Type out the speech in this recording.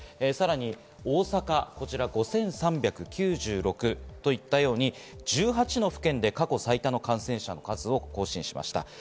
さらに大阪で５３９６人といったように、１８の府県で過去最多の感染者数を更新しました。